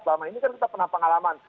selama ini kan kita pernah pengalaman